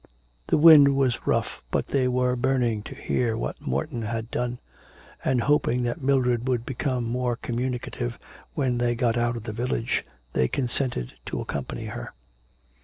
The wind was rough, but they were burning to hear what Morton had done, and, hoping that Mildred would become more communicative when they got out of the village, they consented to accompany her.